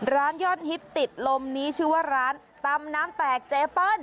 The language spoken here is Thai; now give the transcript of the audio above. ร้านยอดฮิตติดลมนี้ชื่อว่าร้านตำน้ำแตกเจเปิ้ล